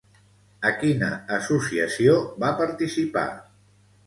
A quina associació va participar?